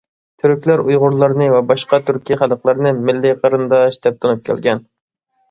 تۈركلەر ئۇيغۇرلارنى ۋە باشقا تۈركىي خەلقلەرنى مىللىي قېرىنداش دەپ تونۇپ كەلگەن.